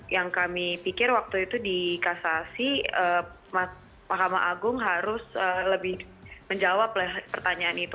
yang kami pikir waktu itu di kasasi mahkamah agung harus lebih menjawab pertanyaan itu